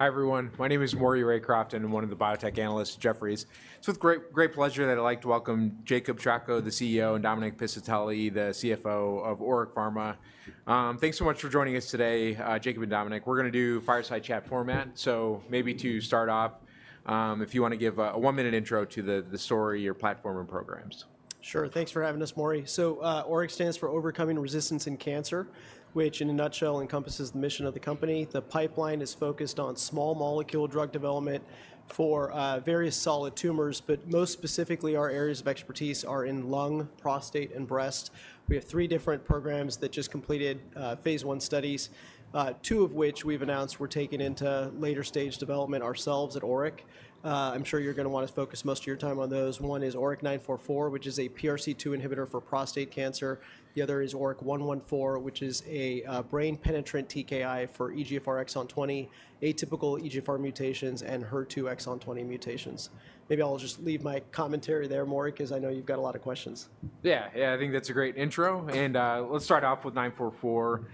Hi, everyone. My name is Maury Raycroft, and I'm one of the biotech analysts at Jefferies. It's with great, great pleasure that I'd like to welcome Jacob Chacko, the CEO, and Dominic Piscitelli, the CFO of ORIC Pharmaceuticals. Thanks so much for joining us today, Jacob and Dominic. We're going to do fireside chat format. So maybe to start off, if you want to give a one-minute intro to the story, your platform, and programs. Sure. Thanks for having us, Maury. So, ORIC stands for Overcoming Resistance in Cancer, which, in a nutshell, encompasses the mission of the company. The pipeline is focused on small molecule drug development for, various solid tumors, but most specifically, our areas of expertise are in lung, prostate, and breast. We have 3 different programs that just completed, phase 1 studies, 2 of which we've announced we're taking into later stage development ourselves at ORIC. I'm sure you're going to want to focus most of your time on those. One is ORIC-944, which is a PRC2 inhibitor for prostate cancer. The other is ORIC-114, which is a, brain-penetrant TKI for EGFR exon 20, atypical EGFR mutations, and HER2 exon 20 mutations. Maybe I'll just leave my commentary there, Maury, 'cause I know you've got a lot of questions. Yeah. Yeah, I think that's a great intro, and, let's start off with 944,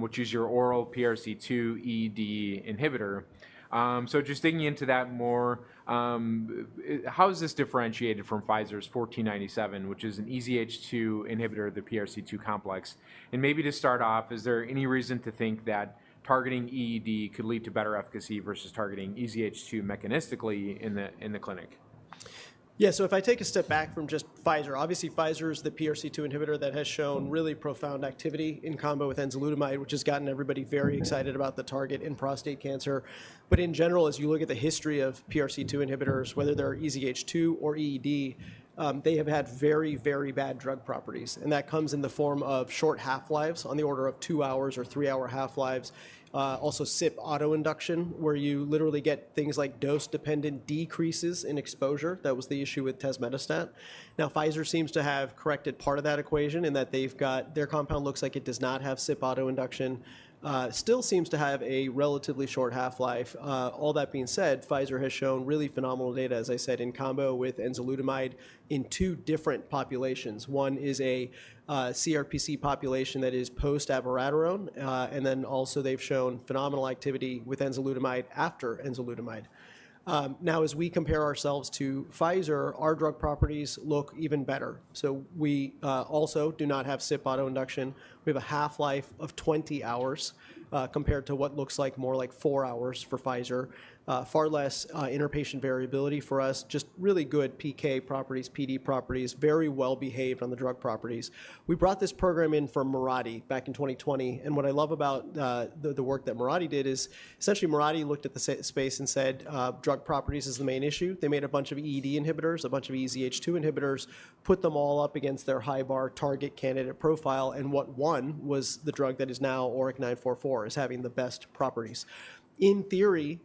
which is your oral PRC2 EED inhibitor. So just digging into that more, how is this differentiated from Pfizer's 1497, which is an EZH2 inhibitor of the PRC2 complex? And maybe to start off, is there any reason to think that targeting EED could lead to better efficacy versus targeting EZH2 mechanistically in the clinic? Yeah, so if I take a step back from just Pfizer, obviously, Pfizer is the PRC2 inhibitor that has shown really profound activity in combo with enzalutamide, which has gotten everybody very excited about the target in prostate cancer. But in general, as you look at the history of PRC2 inhibitors, whether they're EZH2 or EED, they have had very, very bad drug properties, and that comes in the form of short half-lives on the order of 2 hours or 3-hour half-lives. Also CYP autoinduction, where you literally get things like dose-dependent decreases in exposure. That was the issue with tazemetostat. Now, Pfizer seems to have corrected part of that equation in that they've got. Their compound looks like it does not have CYP autoinduction, still seems to have a relatively short half-life. All that being said, Pfizer has shown really phenomenal data, as I said, in combo with enzalutamide in two different populations. One is a CRPC population that is post-abiraterone, and then also they've shown phenomenal activity with enzalutamide after enzalutamide. Now, as we compare ourselves to Pfizer, our drug properties look even better. So we also do not have CYP autoinduction. We have a half-life of 20 hours compared to what looks like more like 4 hours for Pfizer. Far less interpatient variability for us, just really good PK properties, PD properties, very well behaved on the drug properties. We brought this program in from Mirati back in 2020, and what I love about the work that Mirati did is essentially Mirati looked at the space and said, "Drug properties is the main issue." They made a bunch of EED inhibitors, a bunch of EZH2 inhibitors, put them all up against their high bar target candidate profile, and what won was the drug that is now ORIC-944, as having the best properties. In theory,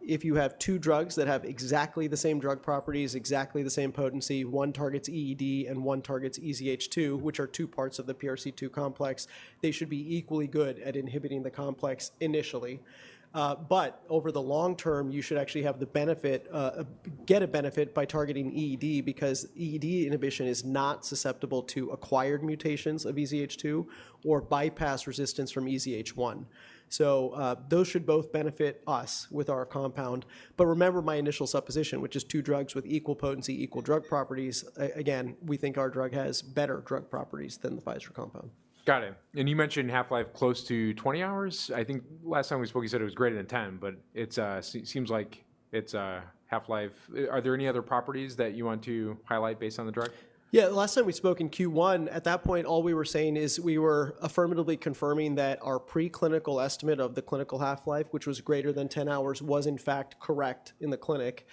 if you have two drugs that have exactly the same drug properties, exactly the same potency, one targets EED and one targets EZH2, which are two parts of the PRC2 complex, they should be equally good at inhibiting the complex initially. But over the long term, you should actually have the benefit, get a benefit by targeting EED because EED inhibition is not susceptible to acquired mutations of EZH2 or bypass resistance from EZH1. So, those should both benefit us with our compound. But remember my initial supposition, which is two drugs with equal potency, equal drug properties. Again, we think our drug has better drug properties than the Pfizer compound. Got it. And you mentioned half-life close to 20 hours? I think last time we spoke, you said it was greater than 10, but it seems like it's a half-life... Are there any other properties that you want to highlight based on the drug? Yeah. Last time we spoke in Q1, at that point, all we were saying is we were affirmatively confirming that our preclinical estimate of the clinical half-life, which was greater than 10 hours, was in fact correct in the clinic.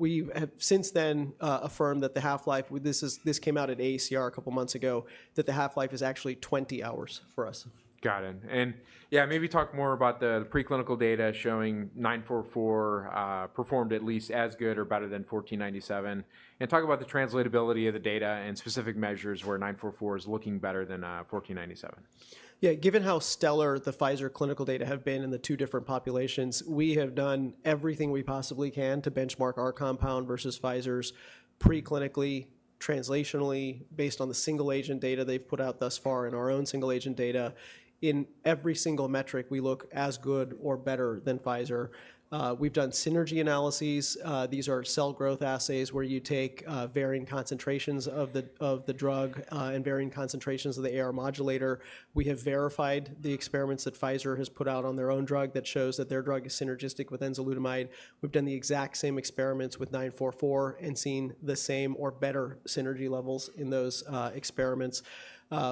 We have since then affirmed that the half-life, this came out at AACR a couple months ago, is actually 20 hours for us. Got it. And yeah, maybe talk more about the preclinical data showing 944 performed at least as good or better than 1497. And talk about the translatability of the data and specific measures where 944 is looking better than 1497. Yeah, given how stellar the Pfizer clinical data have been in the two different populations, we have done everything we possibly can to benchmark our compound versus Pfizer's preclinically, translationally, based on the single-agent data they've put out thus far and our own single-agent data. In every single metric, we look as good or better than Pfizer. We've done synergy analyses. These are cell growth assays where you take varying concentrations of the drug and varying concentrations of the AR modulator. We have verified the experiments that Pfizer has put out on their own drug that shows that their drug is synergistic with enzalutamide. We've done the exact same experiments with 944 and seen the same or better synergy levels in those experiments.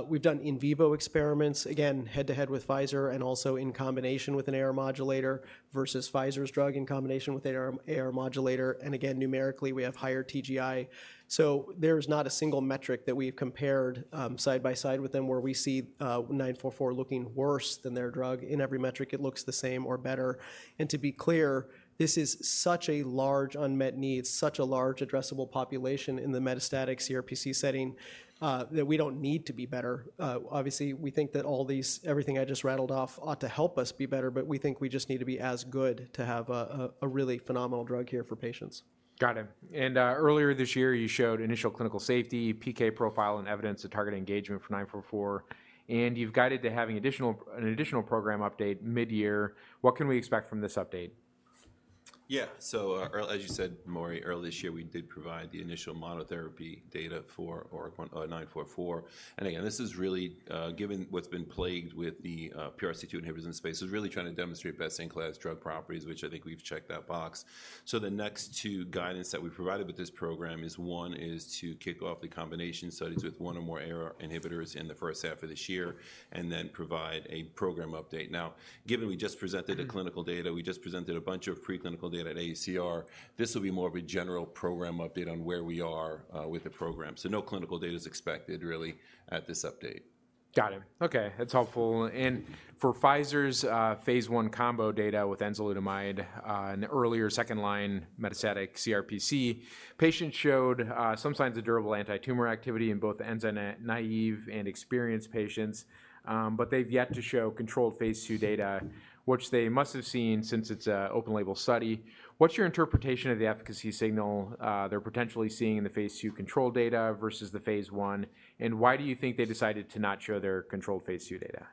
We've done in vivo experiments, again, head-to-head with Pfizer and also in combination with an AR modulator versus Pfizer's drug in combination with AR, AR modulator, and again, numerically, we have higher TGI. So there's not a single metric that we've compared, side by side with them, where we see, 944 looking worse than their drug. In every metric, it looks the same or better. And to be clear, this is such a large unmet need, such a large addressable population in the metastatic CRPC setting, that we don't need to be better. Obviously, we think that all these, everything I just rattled off ought to help us be better, but we think we just need to be as good to have a really phenomenal drug here for patients. Got it. And, earlier this year, you showed initial clinical safety, PK profile, and evidence of target engagement for 944, and you've guided to having an additional program update mid-year. What can we expect from this update? Yeah, so, earlier, as you said, Maury, earlier this year, we did provide the initial monotherapy data for ORIC-944. And again, this is really, given what's been plagued with the, PRC2 inhibitors in the space, is really trying to demonstrate best-in-class drug properties, which I think we've checked that box. So the next two guidance that we provided with this program is, one, is to kick off the combination studies with one or more AR inhibitors in the first half of this year, and then provide a program update. Now, given we just presented the clinical data, we just presented a bunch of preclinical data at AACR, this will be more of a general program update on where we are, with the program. So no clinical data is expected really at this update. Got it. Okay, that's helpful. And for Pfizer's phase 1 combo data with enzalutamide in earlier second-line metastatic CRPC, patients showed some signs of durable anti-tumor activity in both enza-naive and experienced patients. But they've yet to show controlled phase 2 data, which they must have seen since it's an open-label study. What's your interpretation of the efficacy signal they're potentially seeing in the phase 2 control data versus the phase 1, and why do you think they decided to not show their controlled phase 2 data?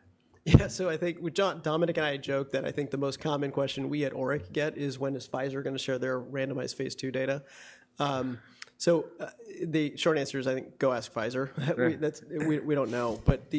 Yeah, so I think we Dominic and I joke that I think the most common question we at ORIC get is, when is Pfizer going to share their randomized phase 2 data? The short answer is, I think, go ask Pfizer. We don't know. But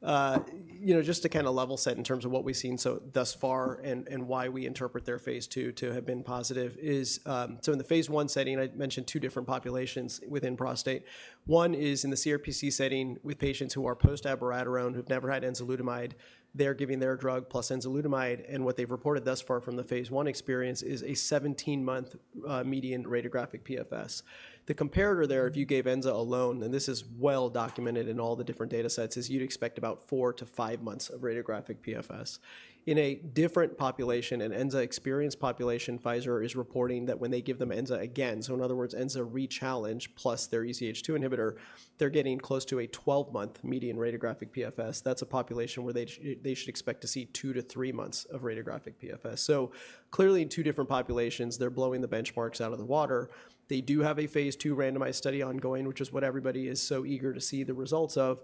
the, you know, just to kind of level set in terms of what we've seen so thus far and why we interpret their phase 2 to have been positive is. So in the phase 1 setting, I mentioned two different populations within prostate. One is in the CRPC setting with patients who are post abiraterone, who've never had enzalutamide. They're giving their drug plus enzalutamide, and what they've reported thus far from the phase 1 experience is a 17-month median radiographic PFS. The comparator there, if you gave enza alone, and this is well documented in all the different data sets, is you'd expect about 4-5 months of radiographic PFS. In a different population, an enza-experienced population, Pfizer is reporting that when they give them enza again, so in other words, enza rechallenge plus their EZH2 inhibitor, they're getting close to a 12-month median radiographic PFS. That's a population where they should expect to see 2-3 months of radiographic PFS. So clearly, in two different populations, they're blowing the benchmarks out of the water. They do have a phase 2 randomized study ongoing, which is what everybody is so eager to see the results of.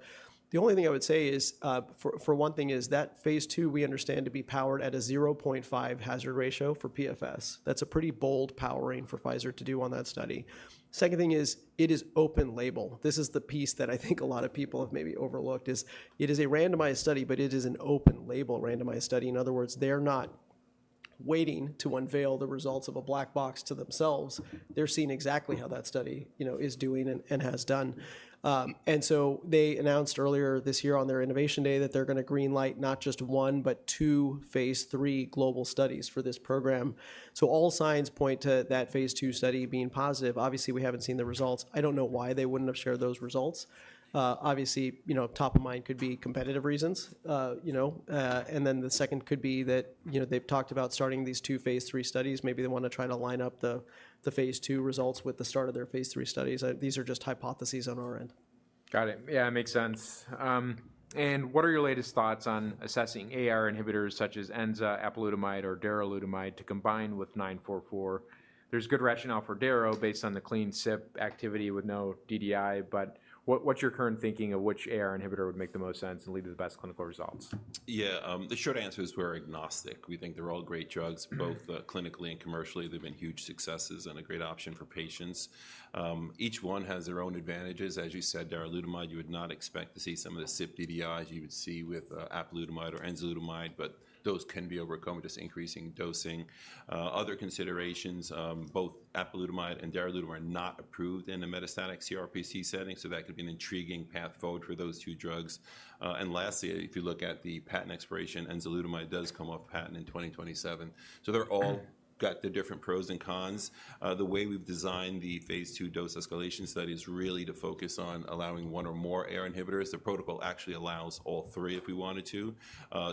The only thing I would say is, for one thing, is that phase 2, we understand to be powered at a 0.5 hazard ratio for PFS. That's a pretty bold powering for Pfizer to do on that study. Second thing is, it is open label. This is the piece that I think a lot of people have maybe overlooked, is it is a randomized study, but it is an open-label randomized study. In other words, they're not waiting to unveil the results of a black box to themselves. They're seeing exactly how that study, you know, is doing and has done. So they announced earlier this year on their Innovation Day that they're gonna green light not just 1, but 2 phase 3 global studies for this program. So all signs point to that phase 2 study being positive. Obviously, we haven't seen the results. I don't know why they wouldn't have shared those results. Obviously, you know, top of mind could be competitive reasons, and then the second could be that, you know, they've talked about starting these 2 phase 3 studies. Maybe they want to try to line up the phase 2 results with the start of their phase 3 studies. These are just hypotheses on our end. Got it. Yeah, it makes sense. What are your latest thoughts on assessing AR inhibitors such as enza, apalutamide, or darolutamide to combine with ORIC-944? There's good rationale for daro based on the clean CYP activity with no DDI, but what's your current thinking of which AR inhibitor would make the most sense and lead to the best clinical results? Yeah, the short answer is we're agnostic. We think they're all great drugs, both clinically and commercially. They've been huge successes and a great option for patients. Each one has their own advantages. As you said, darolutamide, you would not expect to see some of the CYP DDIs you would see with apalutamide or enzalutamide, but those can be overcome with just increasing dosing. Other considerations, both apalutamide and darolutamide are not approved in the metastatic CRPC setting, so that could be an intriguing path forward for those two drugs. And lastly, if you look at the patent expiration, enzalutamide does come off patent in 2027. So they're all got the different pros and cons. The way we've designed the phase 2 dose escalation study is really to focus on allowing one or more AR inhibitors. The protocol actually allows all three if we wanted to.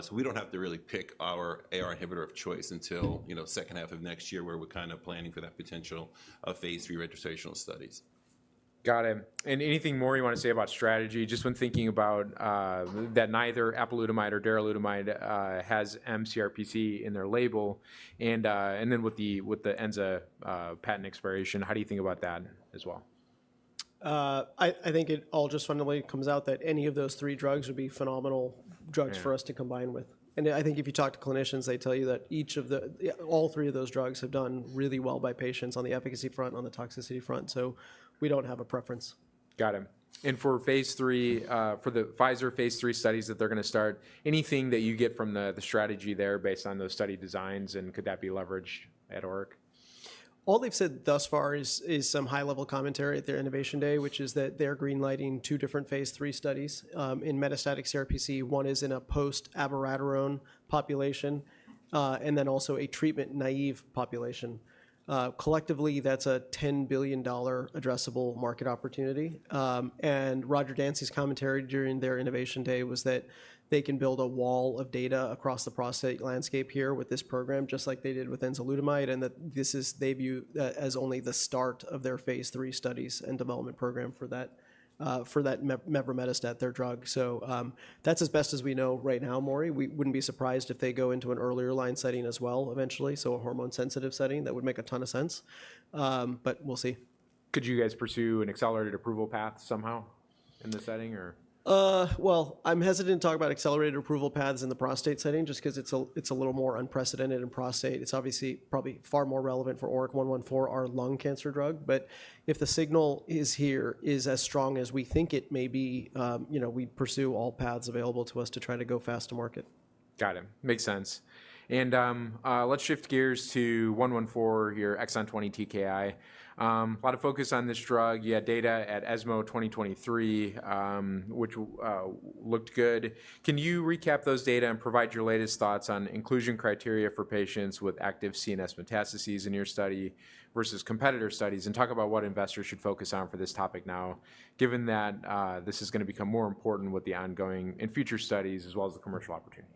So we don't have to really pick our AR inhibitor of choice until, you know, second half of next year, where we're kind of planning for that potential of phase 3 registrational studies. Got it. And anything more you want to say about strategy? Just when thinking about that neither apalutamide or darolutamide has mCRPC in their label, and then with the enza patent expiration, how do you think about that as well? I think it all just fundamentally comes out that any of those three drugs would be phenomenal drugs for us to combine with. And I think if you talk to clinicians, they tell you that each of the all three of those drugs have done really well by patients on the efficacy front, on the toxicity front. So we don't have a preference. Got it. And for phase 3, for the Pfizer phase 3 studies that they're gonna start, anything that you get from the strategy there based on those study designs, and could that be leveraged at ORIC? All they've said thus far is some high-level commentary at their Innovation Day, which is that they're green-lighting two different phase 3 studies in metastatic CRPC. One is in a post-abiraterone population, and then also a treatment-naive population. Collectively, that's a $10 billion addressable market opportunity. And Roger Dansey's commentary during their Innovation Day was that they can build a wall of data across the prostate landscape here with this program, just like they did with enzalutamide, and that this is, they view that as only the start of their phase 3 studies and development program for that, for that mevrometostat, their drug. That's as best as we know right now, Maury. We wouldn't be surprised if they go into an earlier line setting as well, eventually. So a hormone-sensitive setting, that would make a ton of sense. But we'll see. Could you guys pursue an accelerated approval path somehow in this setting, or? Well, I'm hesitant to talk about accelerated approval paths in the prostate setting, just 'cause it's a, it's a little more unprecedented in prostate. It's obviously probably far more relevant for ORIC-114, our lung cancer drug. But if the signal is here, is as strong as we think it may be, you know, we'd pursue all paths available to us to try to go fast to market. Got it. Makes sense. And, let's shift gears to ORIC-114, your exon 20 TKI. A lot of focus on this drug. You had data at ESMO 2023, which looked good. Can you recap those data and provide your latest thoughts on inclusion criteria for patients with active CNS metastases in your study versus competitor studies, and talk about what investors should focus on for this topic now, given that this is gonna become more important with the ongoing in future studies, as well as the commercial opportunity?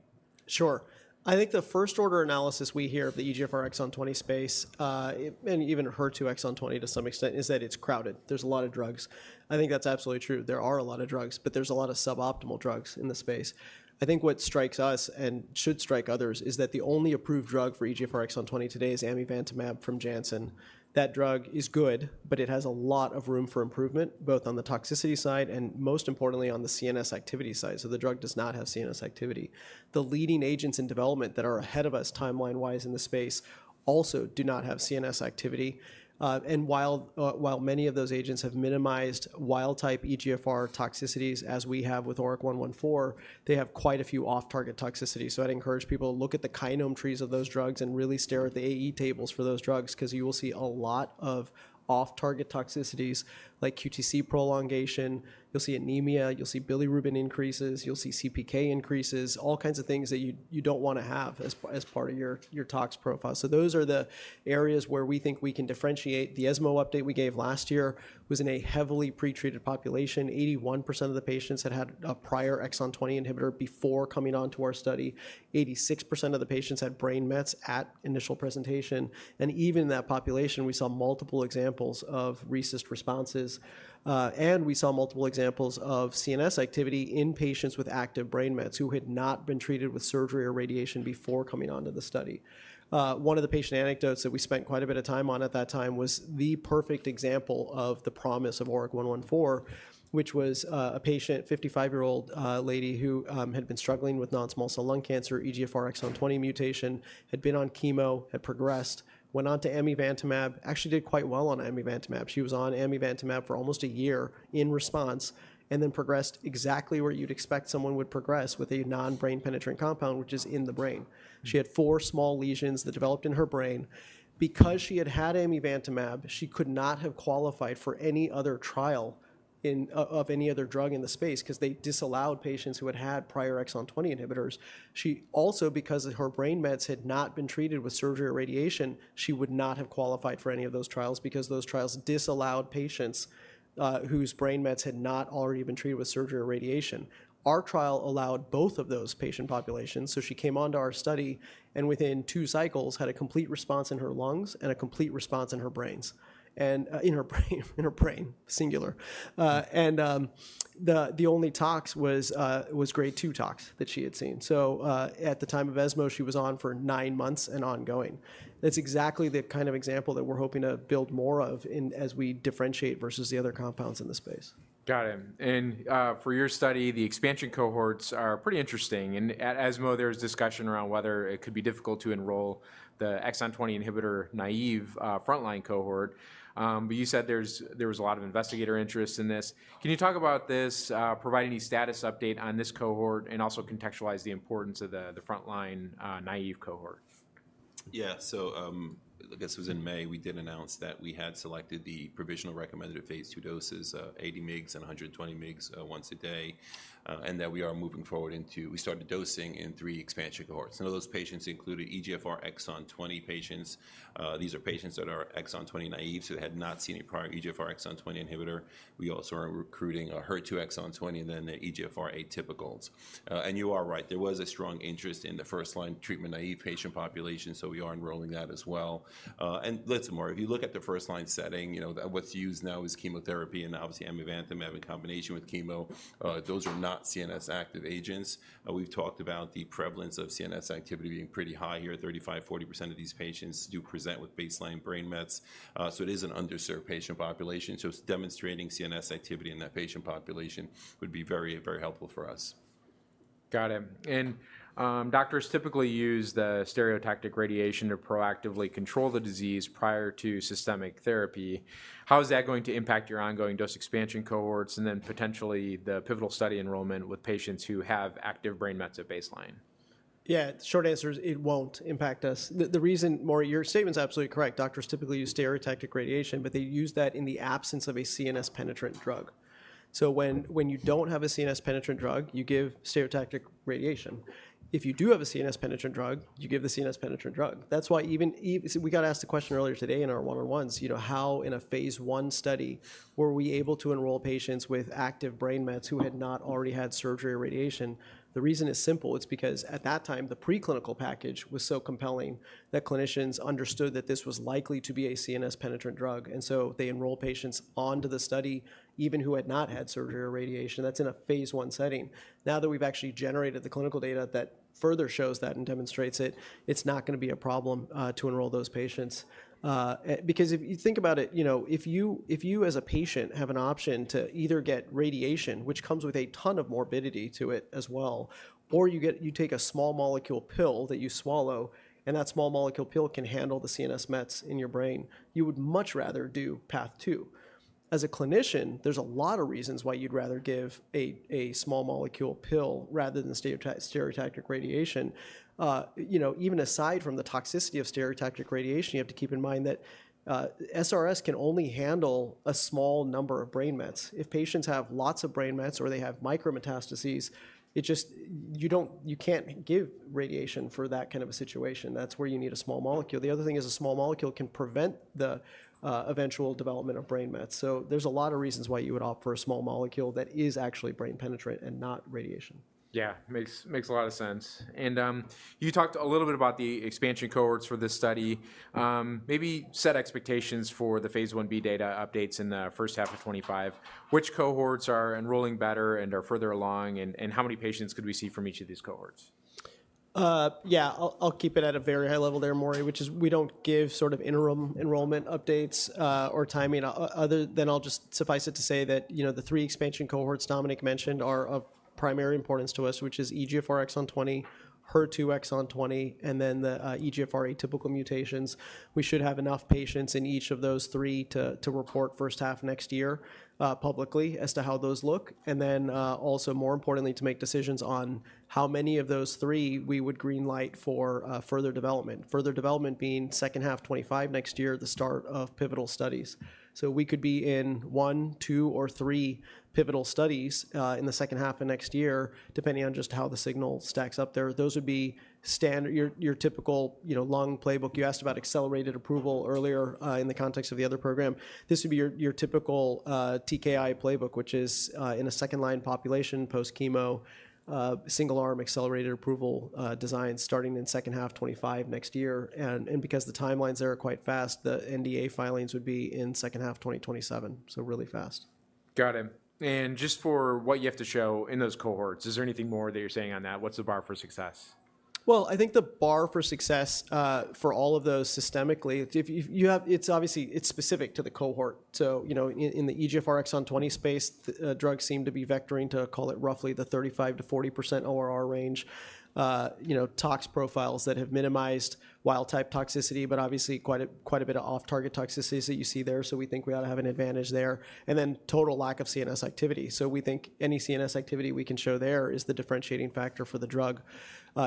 Sure. I think the first-order analysis we hear of the EGFR exon 20 space and even HER2 exon 20 to some extent is that it's crowded. There's a lot of drugs. I think that's absolutely true. There are a lot of drugs, but there's a lot of suboptimal drugs in the space. I think what strikes us, and should strike others, is that the only approved drug for EGFR exon 20 today is amivantamab from Janssen. That drug is good, but it has a lot of room for improvement, both on the toxicity side and, most importantly, on the CNS activity side. So the drug does not have CNS activity. The leading agents in development that are ahead of us timeline-wise in the space also do not have CNS activity. And while many of those agents have minimized wild-type EGFR toxicities, as we have with ORIC-114, they have quite a few off-target toxicities. So I'd encourage people to look at the kinome trees of those drugs and really stare at the AE tables for those drugs, 'cause you will see a lot of off-target toxicities, like QTc prolongation. You'll see anemia. You'll see bilirubin increases. You'll see CPK increases, all kinds of things that you don't wanna have as part of your tox profile. So those are the areas where we think we can differentiate. The ESMO update we gave last year was in a heavily pretreated population. 81% of the patients had had a prior exon twenty inhibitor before coming on to our study. 86% of the patients had brain mets at initial presentation, and even in that population, we saw multiple examples of RECIST responses. And we saw multiple examples of CNS activity in patients with active brain mets who had not been treated with surgery or radiation before coming onto the study. One of the patient anecdotes that we spent quite a bit of time on at that time was the perfect example of the promise of ORIC-114, which was a patient, 55-year-old lady, who had been struggling with non-small cell lung cancer, EGFR exon 20 mutation, had been on chemo, had progressed, went on to amivantamab, actually did quite well on amivantamab. She was on amivantamab for almost a year in response and then progressed exactly where you'd expect someone would progress with a non-brain-penetrant compound, which is in the brain. She had 4 small lesions that developed in her brain. Because she had had amivantamab, she could not have qualified for any other trial of any other drug in the space, 'cause they disallowed patients who had had prior exon 20 inhibitors. She also, because her brain mets had not been treated with surgery or radiation, she would not have qualified for any of those trials because those trials disallowed patients whose brain mets had not already been treated with surgery or radiation. Our trial allowed both of those patient populations, so she came onto our study, and within 2 cycles, had a complete response in her lungs and a complete response in her brains and in her brain, singular. And the only tox was grade 2 tox that she had seen. At the time of ESMO, she was on for nine months and ongoing. That's exactly the kind of example that we're hoping to build more of in as we differentiate versus the other compounds in the space. Got it. And for your study, the expansion cohorts are pretty interesting. At ESMO, there was discussion around whether it could be difficult to enroll the exon 20 inhibitor-naive frontline cohort. But you said there was a lot of investigator interest in this. Can you talk about this, provide any status update on this cohort, and also contextualize the importance of the frontline naive cohort? Yeah. I guess it was in May, we did announce that we had selected the provisional recommended phase 2 doses, 80 mg and 120 mg, once a day, and that we are moving forward. We started dosing in 3 expansion cohorts, and those patients included EGFR exon 20 patients. These are patients that are exon 20 naive, so had not seen a prior EGFR exon 20 inhibitor. We also are recruiting HER2 exon 20, and then the EGFR atypicals. You are right. There was a strong interest in the first-line treatment-naive patient population, so we are enrolling that as well. Listen, Maury, if you look at the first-line setting, you know, what's used now is chemotherapy and obviously amivantamab in combination with chemo. Those are not CNS-active agents. We've talked about the prevalence of CNS activity being pretty high here. 35%-40% of these patients do present with baseline brain mets, so it is an underserved patient population. So it's demonstrating CNS activity in that patient population would be very, very helpful for us. Got it. And, doctors typically use the stereotactic radiation to proactively control the disease prior to systemic therapy. How is that going to impact your ongoing dose expansion cohorts and then potentially the pivotal study enrollment with patients who have active brain mets at baseline? Yeah, the short answer is it won't impact us. The reason, Maury, your statement's absolutely correct. Doctors typically use stereotactic radiation, but they use that in the absence of a CNS-penetrant drug. So when you don't have a CNS-penetrant drug, you give stereotactic radiation. If you do have a CNS-penetrant drug, you give the CNS-penetrant drug. That's why. So we got asked a question earlier today in our one-on-ones, you know, how, in a phase I study, were we able to enroll patients with active brain mets who had not already had surgery or radiation? The reason is simple: It's because at that time, the preclinical package was so compelling that clinicians understood that this was likely to be a CNS-penetrant drug, and so they enrolled patients onto the study, even who had not had surgery or radiation. That's in a phase I setting. Now that we've actually generated the clinical data that further shows that and demonstrates it, it's not gonna be a problem to enroll those patients. Because if you think about it, you know, if you as a patient have an option to either get radiation, which comes with a ton of morbidity to it as well, or you take a small molecule pill that you swallow, and that small molecule pill can handle the CNS mets in your brain, you would much rather do path two. As a clinician, there's a lot of reasons why you'd rather give a small molecule pill rather than stereotactic radiation. You know, even aside from the toxicity of stereotactic radiation, you have to keep in mind that SRS can only handle a small number of brain mets. If patients have lots of brain mets or they have micrometastases, you don't, you can't give radiation for that kind of a situation. That's where you need a small molecule. The other thing is, a small molecule can prevent the eventual development of brain mets. So there's a lot of reasons why you would opt for a small molecule that is actually brain penetrant and not radiation. Yeah, makes, makes a lot of sense. And you talked a little bit about the expansion cohorts for this study. Maybe set expectations for the phase 1b data updates in the first half of 2025. Which cohorts are enrolling better and are further along, and how many patients could we see from each of these cohorts? Yeah, I'll keep it at a very high level there, Maury, which is we don't give sort of interim enrollment updates or timing. Other than I'll just suffice it to say that, you know, the three expansion cohorts Dominic mentioned are of primary importance to us, which is EGFR exon 20, HER2 exon 20, and then the EGFR atypical mutations. We should have enough patients in each of those three to report first half next year publicly as to how those look, and then also, more importantly, to make decisions on how many of those three we would greenlight for further development. Further development being second half 2025 next year, the start of pivotal studies. So we could be in one, two, or three pivotal studies, in the second half of next year, depending on just how the signal stacks up there. Those would be standard—your, your typical, you know, long playbook. You asked about accelerated approval earlier, in the context of the other program. This would be your, your typical, TKI playbook, which is, in a second-line population, post-chemo, single-arm accelerated approval, design starting in second half 2025 next year. And, and because the timelines there are quite fast, the NDA filings would be in second half 2027, so really fast. Got it. And just for what you have to show in those cohorts, is there anything more that you're saying on that? What's the bar for success? Well, I think the bar for success for all of those systemically, if you have, it's obviously specific to the cohort. So, you know, in the EGFR exon 20 space, drugs seem to be vectoring to call it roughly the 35%-40% ORR range. You know, tox profiles that have minimized wild-type toxicity, but obviously quite a bit of off-target toxicity that you see there, so we think we ought to have an advantage there. And then total lack of CNS activity. So we think any CNS activity we can show there is the differentiating factor for the drug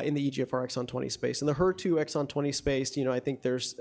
in the EGFR exon 20 space. In the HER2 exon 20 space, you know, I think there's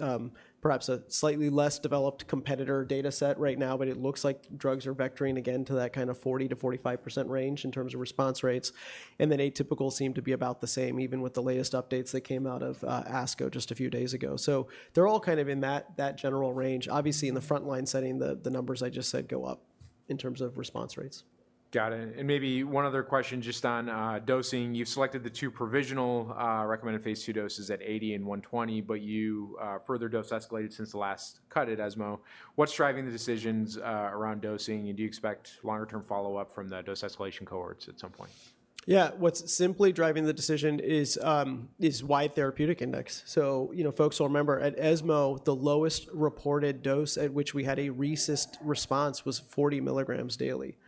perhaps a slightly less developed competitor data set right now, but it looks like drugs are vectoring again to that kind of 40%-45% range in terms of response rates. And then atypical seem to be about the same, even with the latest updates that came out of ASCO just a few days ago. So they're all kind of in that, that general range. Obviously, in the front line setting, the, the numbers I just said go up in terms of response rates. Got it. Maybe one other question just on dosing. You've selected the two provisional recommended phase 2 doses at 80 and 120, but you further dose escalated since the last cut at ESMO. What's driving the decisions around dosing, and do you expect longer-term follow-up from the dose escalation cohorts at some point? Yeah. What's simply driving the decision is wide therapeutic index. So, you know, folks will remember at ESMO, the lowest reported dose at which we had a RECIST response was 40 mg daily,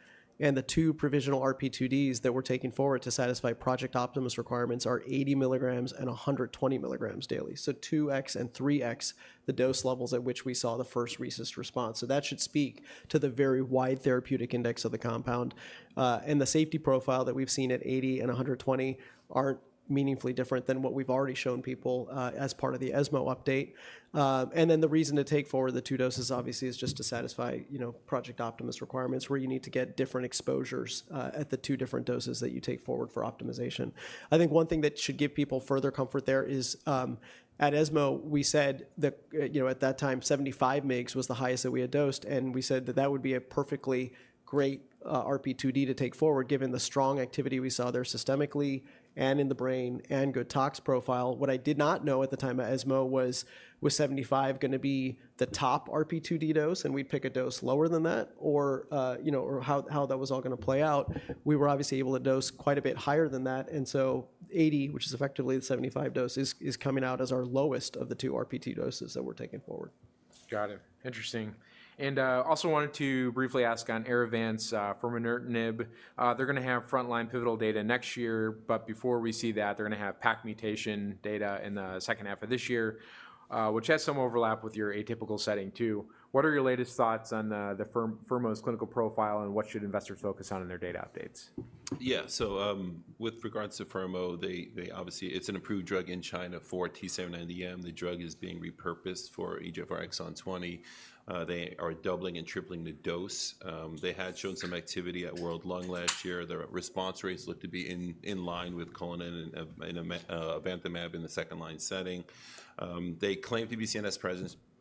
and the two provisional RP2Ds that we're taking forward to satisfy Project Optimus requirements are 80 mg and 120 mg daily. So 2x and 3x, the dose levels at which we saw the first RECIST response. So that should speak to the very wide therapeutic index of the compound. And the safety profile that we've seen at 80 and 120 aren't meaningfully different than what we've already shown people, as part of the ESMO update. And then the reason to take forward the two doses, obviously, is just to satisfy, you know, Project Optimus requirements, where you need to get different exposures at the two different doses that you take forward for optimization. I think one thing that should give people further comfort there is at ESMO, we said that, you know, at that time, 75 mg was the highest that we had dosed, and we said that that would be a perfectly great RP2D to take forward, given the strong activity we saw there systemically and in the brain, and good tox profile. What I did not know at the time at ESMO was seventy-five gonna be the top RP2D dose, and we'd pick a dose lower than that, or, you know, or how that was all gonna play out. We were obviously able to dose quite a bit higher than that, and so 80, which is effectively the 75 dose, is coming out as our lowest of the two RP2D doses that we're taking forward. Got it. Interesting. And also wanted to briefly ask on ArriVent, furmonertinib. They're gonna have frontline pivotal data next year, but before we see that, they're gonna have PACC mutation data in the second half of this year, which has some overlap with your atypical setting too. What are your latest thoughts on the furmonertinib's clinical profile, and what should investors focus on in their data updates? Yeah. So with regards to firmo, they obviously it's an approved drug in China for T790M. The drug is being repurposed for EGFR exon 20. They are doubling and tripling the dose. They had shown some activity at World Lung last year. Their response rates looked to be in line with lazertinib and amivantamab in the second-line setting. They claim to be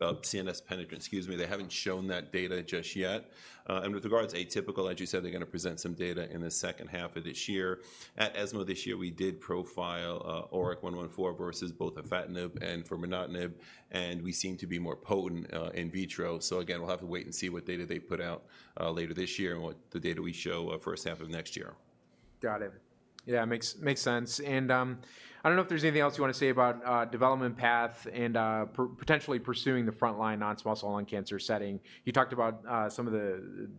CNS penetrant, excuse me. They haven't shown that data just yet. And with regards to atypical, as you said, they're gonna present some data in the second half of this year. At ESMO this year, we did profile ORIC-114 versus both afatinib and furmonertinib, and we seem to be more potent in vitro. So again, we'll have to wait and see what data they put out later this year and what the data we show first half of next year. Got it. Yeah, makes sense. And, I don't know if there's anything else you want to say about development path and potentially pursuing the frontline non-small cell lung cancer setting. You talked about some of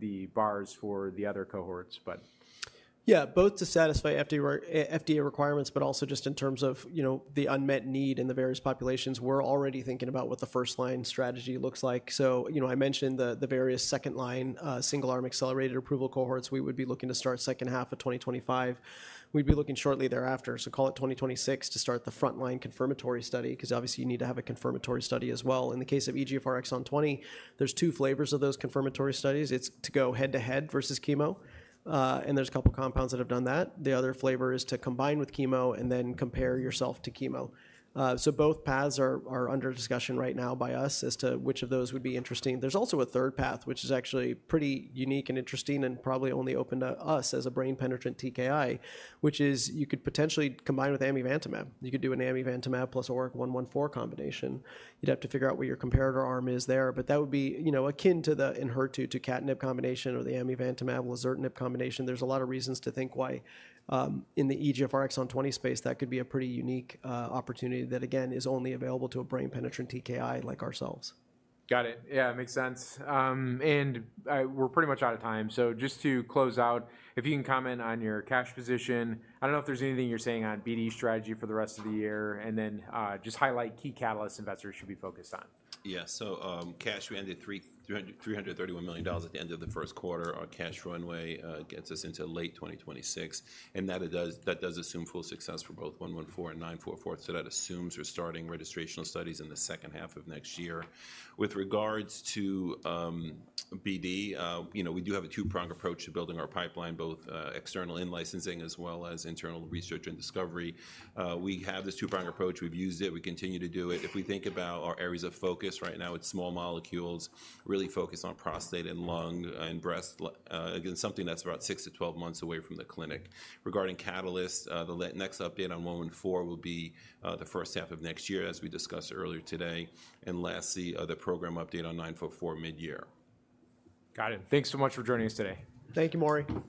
the bars for the other cohorts, but... Yeah, both to satisfy FDA requirements, but also just in terms of, you know, the unmet need in the various populations. We're already thinking about what the first-line strategy looks like. So, you know, I mentioned the various second-line single-arm accelerated approval cohorts. We would be looking to start second half of 2025. We'd be looking shortly thereafter, so call it 2026, to start the frontline confirmatory study, 'cause obviously you need to have a confirmatory study as well. In the case of EGFR exon 20, there's two flavors of those confirmatory studies. It's to go head-to-head versus chemo, and there's a couple compounds that have done that. The other flavor is to combine with chemo and then compare yourself to chemo. So both paths are under discussion right now by us as to which of those would be interesting. There's also a third path, which is actually pretty unique and interesting and probably only open to us as a brain-penetrant TKI, which is you could potentially combine with amivantamab. You could do an amivantamab plus ORIC-114 combination. You'd have to figure out what your comparator arm is there, but that would be, you know, akin to the Enhertu tucatinib combination or the amivantamab-lazertinib combination. There's a lot of reasons to think why, in the EGFR exon 20 space, that could be a pretty unique, opportunity that again, is only available to a brain-penetrant TKI like ourselves. Got it. Yeah, makes sense. We're pretty much out of time, so just to close out, if you can comment on your cash position. I don't know if there's anything you're saying on BD strategy for the rest of the year, and then just highlight key catalysts investors should be focused on. Yeah. So, cash, we ended $331 million at the end of the first quarter. Our cash runway gets us into late 2026, and that does assume full success for both 114 and 944, so that assumes we're starting registrational studies in the second half of next year. With regards to BD, you know, we do have a two-pronged approach to building our pipeline, both external in-licensing as well as internal research and discovery. We have this two-pronged approach. We've used it. We continue to do it. If we think about our areas of focus right now, it's small molecules, really focused on prostate and lung and breast, again, something that's about 6-12 months away from the clinic. Regarding catalysts, the next update on 114 will be the first half of next year, as we discussed earlier today, and lastly, the program update on 944 midyear. Got it. Thanks so much for joining us today. Thank you, Maury.